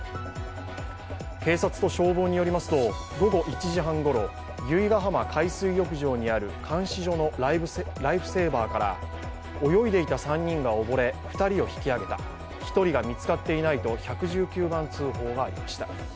警察と消防によりますと、午後１時半ごろ、由比ガ浜海水浴場にある監視所のライフセーバーから、泳いでいた３人が溺れ、２人を引き上げた、１人が見つかっていないと１１９番通報がありました。